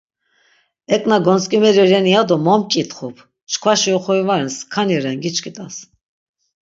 Eǩna gontzǩimeri reni yado mo mk̆itxup, çkvaşi oxori va ren, skani ren giçkit̆as.